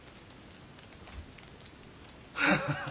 ハハハハ。